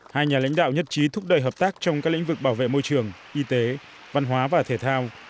hai nhà lãnh đạo nhất trí thúc đẩy hợp tác trong các lĩnh vực bảo vệ môi trường y tế văn hóa và thể thao